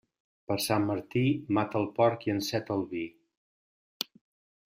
Per Sant Martí, mata el porc i enceta el vi.